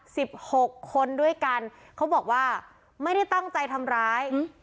หกคนด้วยกันเขาบอกว่าไม่ได้ตั้งใจทำร้ายอืม